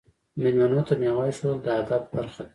میلمنو ته میوه ایښودل د ادب برخه ده.